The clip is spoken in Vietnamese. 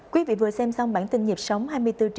quý vị vừa xem xong bản tin nhịp sóng hai mươi bốn h bảy